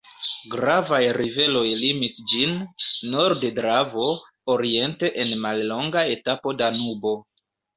Gravaj riveroj limis ĝin: norde Dravo, oriente en mallonga etapo Danubo.